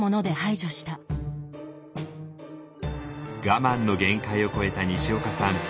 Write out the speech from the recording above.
我慢の限界を超えたにしおかさん